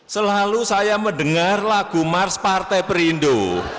selalu saya mendengar lagu mars partai perindo